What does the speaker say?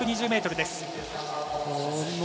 １２０ｍです。